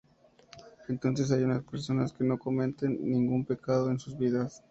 Entonces hay unas personas que no cometen ningún pecado en sus vidas.